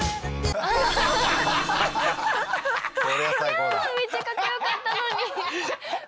いやめっちゃかっこよかったのに。